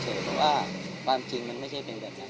เพราะว่าความจริงมันไม่ใช่เป็นแบบนั้น